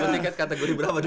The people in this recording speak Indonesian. dapet tiket kategori berapa dok